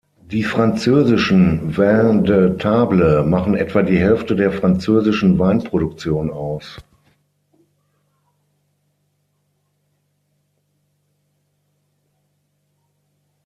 Die französischen "Vins de Table" machen etwa die Hälfte der französischen Weinproduktion aus.